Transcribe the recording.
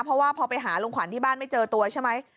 เพราะว่าพอไปหาลุงขวัญที่บ้านไม่เจอตัวใช่ไหม